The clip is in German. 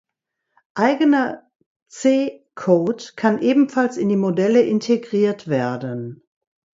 Eigener C-Code kann ebenfalls in die Modelle integriert werden.